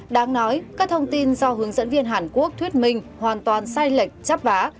đáng nói các thông tin do hướng dẫn viên hàn quốc thuyết minh hoàn toàn sai lệch chắp vá